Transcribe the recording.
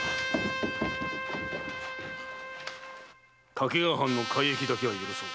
掛川藩の改易だけは許そう。